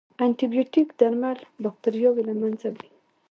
انټيبیوټیک درمل باکتریاوې له منځه وړي.